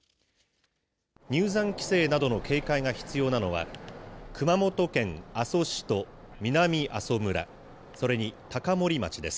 入山規制などの警戒が必要なのは、熊本県阿蘇市と南阿蘇村、それに高森町です。